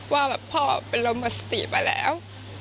ว่าแบบพ่อเป็นลมสติไปแล้ว